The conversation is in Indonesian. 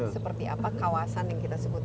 seperti apa kawasan yang kita sebut